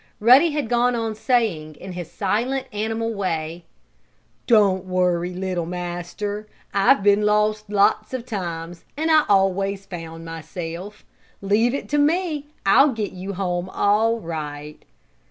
Ruddy had gone on saying, in his silent, animal way: "Don't worry, little master, I've been lost lots of times, and I always found myself. Leave it to me! I'll get you home all right!"